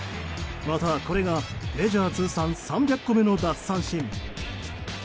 またこれがメジャー通算３００個目の奪三振。